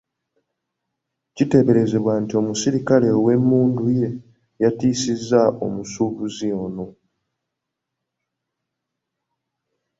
Kiteeberezebwa nti omuserikale ow'emmundu ye yataasizza omusuubuzi ono.